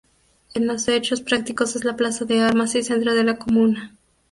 En los hechos prácticos es la plaza de armas y centro de la comuna.